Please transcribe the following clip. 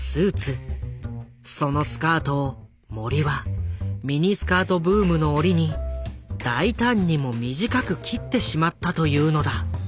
そのスカートを森はミニスカートブームの折に大胆にも短く切ってしまったというのだ。